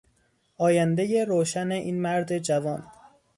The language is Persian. آیندهی روشن این مرد جوان